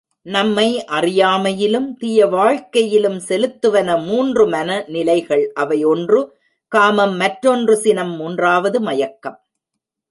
நம்மை அறியாமையிலும், தீய வாழ்க்கையிலும் செலுத்துவன மூன்று மனநிலைகள் அவை ஒன்று காமம், மற்றொன்று சினம், மூன்றாவது மயக்கம்.